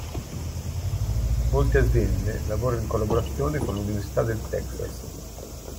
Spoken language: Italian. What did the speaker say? Molte aziende lavorano in collaborazione con l'Università del Texas.